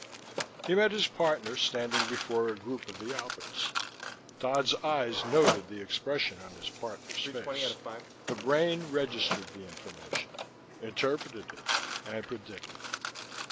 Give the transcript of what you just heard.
He met his partner standing before a group of the Alberts. Dodd's eyes noted the expression on his partner's face. The brain registered the information, interpreted it and predicted.